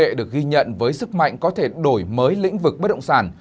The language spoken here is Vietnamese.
nghệ được ghi nhận với sức mạnh có thể đổi mới lĩnh vực bất động sản